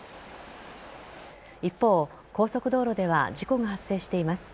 一方、高速道路では事故が発生しています。